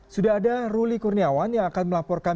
sudah ada ruli kurniawan yang akan melaporkan